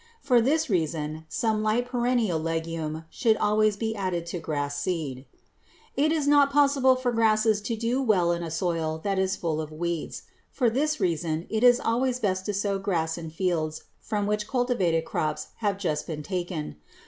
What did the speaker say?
For this reason some light perennial legume should always be added to grass seed. [Illustration: FIG. 226. SINGLE PLANT OF GIANT MILLET] It is not possible for grasses to do well in a soil that is full of weeds. For this reason it is always best to sow grass in fields from which cultivated crops have just been taken.